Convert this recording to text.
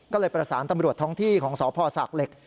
ก็เลยประสานตำรวจท้องที่ของสพศากเหล็ก